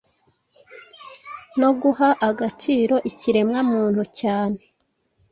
no guha agaciro ikiremwamuntu cyane